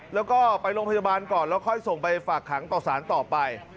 แล้วก็ไปโรงพยาบาลก่อนแล้วค่อยส่งไปฝากขังต่อสารต่อไป